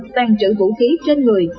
toàn trữ vũ khí trên người